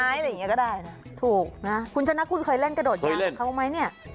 นะคุณจนนักคุณเคยเล่นกระโดดยังไงครับมั้ยเนี่ยคุณจนนักคุณเคยเล่นกระโดดยังไงครับมั้ยเนี่ย